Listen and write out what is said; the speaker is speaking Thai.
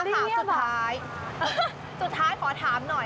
ต้องชอบสัสถาสุดท้ายขอถามหน่อย